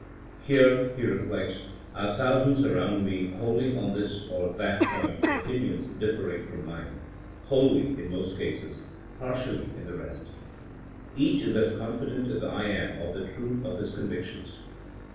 * Here, * he re flects, ' are thousands around me holding on this or that point opinions differing from mine — wholly in most cases; partially in the rest. Each is as confident as I am of the truth of his convictions.